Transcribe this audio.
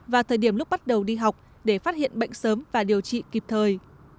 và thời điểm lúc bắt đầu đi học để phát hiện bệnh sớm và điều trị kịp thời